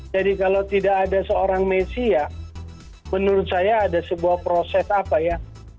jadi kalau tidak ada seorang messi ya menurut saya ada sebuah proses apa ya